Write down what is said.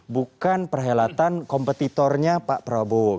bukan perhelatan kompetitornya pak prabowo